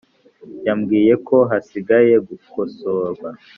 yambwiye ko hasigaye gukosorwa